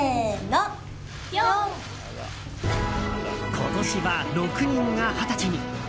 今年は６人が二十歳に。